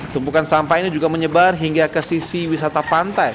tumpukan sampah ini juga menyebar hingga ke sisi wisata pantai